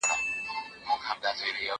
زه به اوږده موده واښه راوړلي وم؟